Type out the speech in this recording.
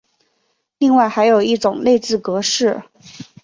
另外还有一种内置格式。